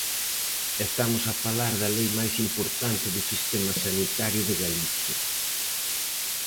E estamos a falar da lei máis importante do sistema sanitario de Galicia.